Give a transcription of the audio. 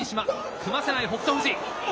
組ませない北勝富士。